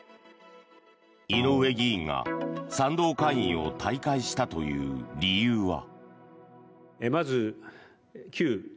井上議員が、賛同会員を退会したという理由は。